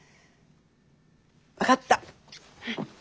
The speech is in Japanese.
分かった。